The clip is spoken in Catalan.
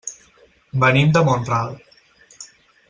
Venim de Mont-ral.